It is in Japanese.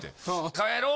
「帰ろう」